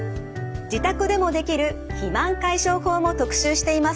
自宅でもできる肥満解消法も特集していますので是非ご参考に。